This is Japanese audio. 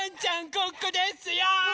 ここですよ！